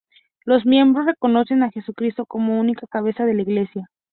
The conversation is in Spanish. Los miembros reconocen a Jesucristo como única cabeza de la Iglesia.